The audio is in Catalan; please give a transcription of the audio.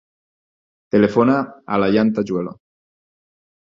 Telefona a l'Ayaan Tajuelo.